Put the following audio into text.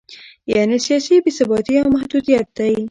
یعنې سیاسي بې ثباتي یو محدودیت دی.